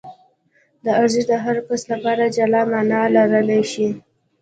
دا ارزښت د هر کس لپاره جلا مانا لرلای شي.